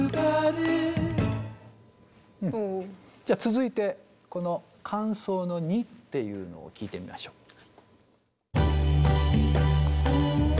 じゃ続いてこの間奏の②っていうのを聴いてみましょう。